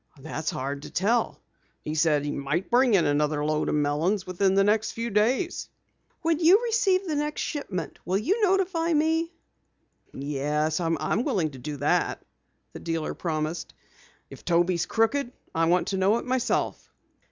"That's hard to tell. He said he might bring in another load of melons within the next few days." "When you receive the next shipment, will you notify me?" "Yes, I'm willing to do that," the dealer promised. "If Toby is crooked, I want to know it myself."